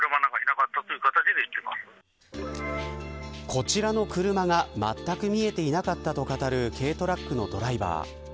こちらの車がまったく見えていなかったと語る軽トラックのドライバー。